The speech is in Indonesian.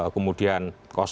kemudian satu dua